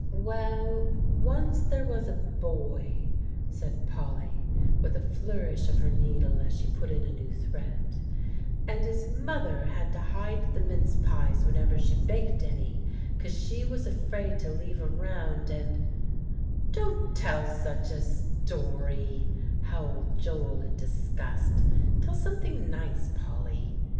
"Well, once there was a boy," said Polly, with a flourish of her needle as she put in a new thread; "and his mother had to hide the mince pies whenever she baked any, 'cause she was afraid to leave 'em round, and" "Don't tell such a story," howled Joel in disgust; "tell something nice, Polly."